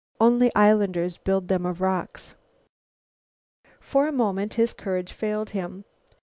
Only islanders build them of rocks." For a moment his courage failed him.